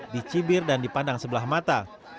dicibir dan dipandang sebelah mata